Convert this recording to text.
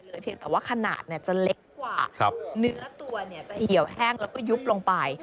เพียงแต่ว่าขนาดเนี่ยจะเล็กกว่าเนื้อตัวเนี่ยจะเหี่ยวแห้งแล้วก็ยุบลงไป